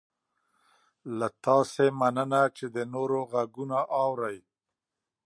له تاسې مننه چې د نورو غږونه اورئ